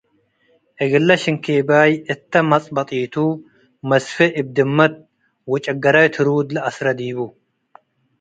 እግለ ሽንኬባይ እተ መጽበጢቱ መስፌ እብ ድመት ወጭገራይ ትሩር ለአስረ ዲቡ ።